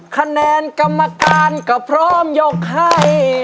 คะแนนกรรมการก็พร้อมยกให้